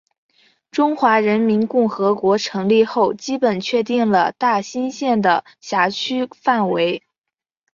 中华人民共和国成立后基本确定了大兴县的辖区范围。